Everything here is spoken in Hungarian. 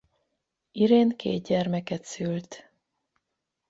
Irén két gyermeket szült.